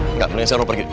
enggak menyesal lo pergi